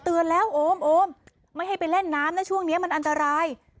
เตือนแล้วโอมโอมไม่ให้ไปเล่นน้ำนะช่วงนี้มันอันตราย